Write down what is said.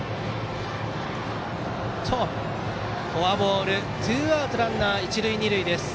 フォアボールツーアウトランナー、一塁二塁。